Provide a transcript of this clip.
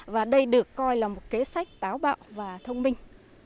và đây được coi là một kế sách táo bạo và thông minh